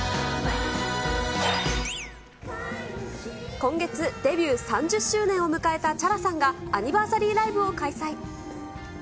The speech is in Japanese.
今月、デビュー３０周年を迎えたチャラさんがアニバーサリーライブを開催。